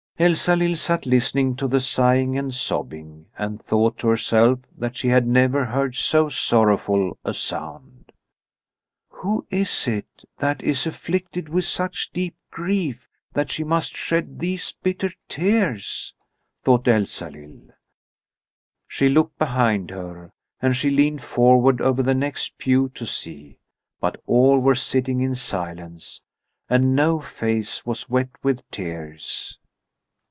Elsalill sat listening to the sighing and sobbing, and thought to herself that she had never heard so sorrowful a sound. "Who is it that is afflicted with such deep grief that she must shed these bitter tears?" thought Elsalill. She looked behind her, and she leaned forward over the next pew to see. But all were sitting in silence, and no face was wet with tears.